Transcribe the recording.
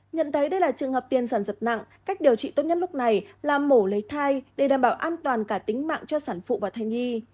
nhận thấy đây là trường hợp tiền sản dập nặng cách điều trị tốt nhất lúc này là mổ lấy thai để đảm bảo an toàn cả tính mạng cho sản phụ và thai nhi